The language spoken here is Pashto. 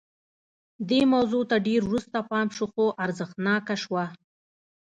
دې موضوع ته ډېر وروسته پام شو خو ارزښتناکه شوه